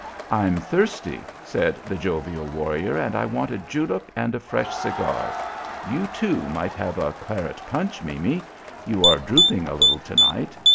"I'm thirsty," said the jovial warrior, "and I want a julep and a fresh cigar. You, too, might have a claret punch, Mimi; you are drooping a little to night.